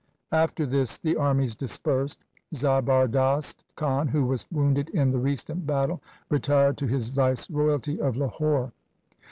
After this the armies dispersed. Zabardast Khan who was wounded in the recent battle retired to his viceroyalty of Lahore.